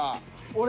俺。